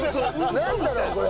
なんだろうこれ。